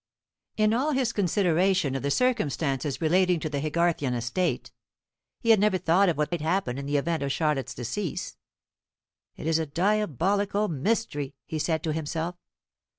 In all his consideration of the circumstances relating to the Haygarthian estate, he had never thought of what might happen in the event of Charlotte's decease. "It is a diabolical mystery," he said to himself.